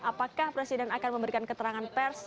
apakah presiden akan memberikan keterangan pers